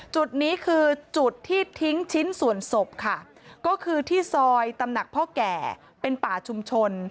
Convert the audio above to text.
จุดนี้คือจุดที่ทิ้งชิ้นส่วนศพค่ะก็คือที่ซอยตำหนักพ่อแก่เป็นป่าชุมชน